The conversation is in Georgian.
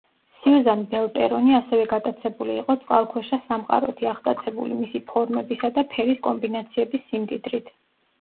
სიუზან ბელპერონი ასევე გატაცებული იყო წყალქვეშა სამყაროთი, აღტაცებული მისი ფორმების და ფერის კომბინაციების სიმდიდრით.